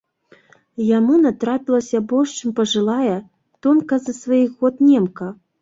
Яму натрапілася больш чым пажылая, тонкая з-за сваіх год, немка.